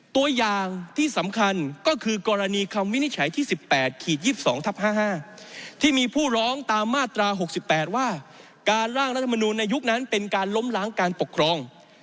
ตัวอย่างที่สำคัญก็คือกรณีคำวินิจฉัยที่๑๘๒๒ทับ๕๕ที่มีผู้ร้องตามมาตรา๖๘ว่าการร่างรัฐมนูลในยุคนั้นเป็นการล้มล้างการปกครอง